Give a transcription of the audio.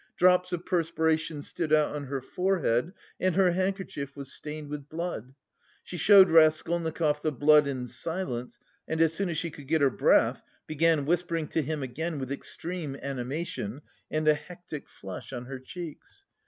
Drops of perspiration stood out on her forehead and her handkerchief was stained with blood. She showed Raskolnikov the blood in silence, and as soon as she could get her breath began whispering to him again with extreme animation and a hectic flush on her cheeks.